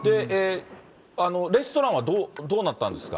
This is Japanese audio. レストランはどうなったんですか？